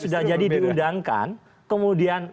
sudah jadi diundangkan kemudian